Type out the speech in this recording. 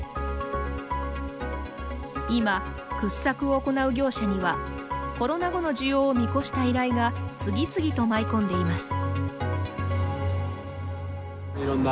今、掘削を行う業者にはコロナ後の需要を見越した依頼が次々と舞い込んでいます。